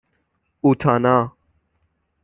اوتانا